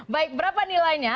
baik berapa nilainya